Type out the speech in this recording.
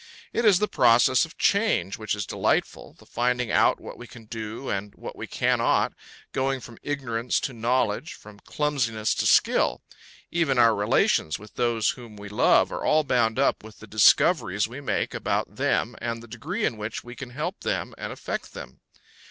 It is the process of change which is delightful, the finding out what we can do and what we cannot, going from ignorance to knowledge, from clumsiness to skill; even our relations with those whom we love are all bound up with the discoveries we make about them and the degree in which we can help them and affect them.